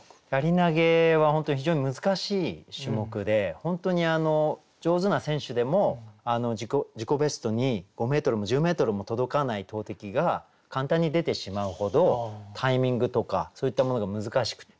槍投げは本当に非常に難しい種目で本当に上手な選手でも自己ベストに５ｍも１０ｍも届かない投てきが簡単に出てしまうほどタイミングとかそういったものが難しくて。